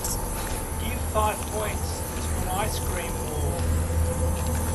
Give five points to An Ice-Cream War